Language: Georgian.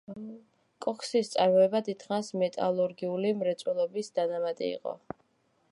კოქსის წარმოება დიდხანს მეტალურგიული მრეწველობის დანამატი იყო.